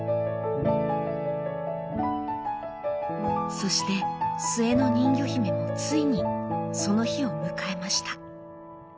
そして末の人魚姫もついにその日を迎えました。